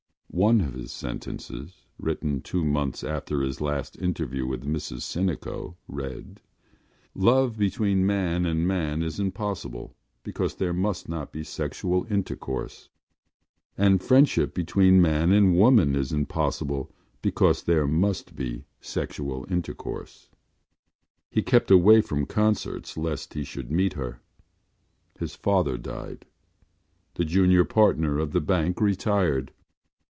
One of his sentences, written two months after his last interview with Mrs Sinico, read: Love between man and man is impossible because there must not be sexual intercourse and friendship between man and woman is impossible because there must be sexual intercourse. He kept away from concerts lest he should meet her. His father died; the junior partner of the bank retired.